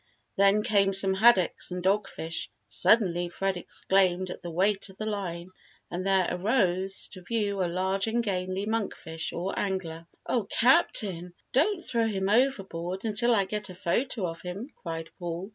Then came some haddocks and dog fish; suddenly, Fred exclaimed at the weight of the line and there arose to view a large ungainly monk fish, or angler. "Oh, Captain! don't throw him overboard until I get a photo of him," cried Paul.